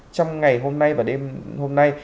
trong ngày hôm nay và đêm hôm nay